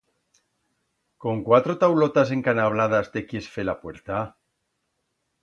Con cuatro taulotas encanabladas te quiers fer la puerta?